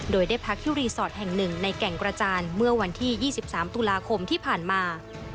โดยได้พักที่รีสอร์ทแห่งหนึ่งในแก่งกระจานเมื่อวันที่๒๓ตุลาคมที่ผ่านมา